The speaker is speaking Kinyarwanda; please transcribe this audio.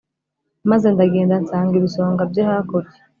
Maze ndagenda nsanga ibisonga bye hakurya